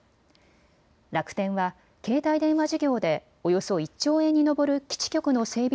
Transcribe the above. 楽天は携帯電話事業でおよそ１兆円に上る基地局の整備